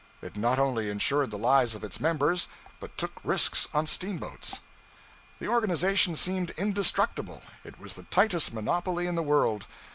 It not only insured the lives of its members, but took risks on steamboats. The organization seemed indestructible. It was the tightest monopoly in the world.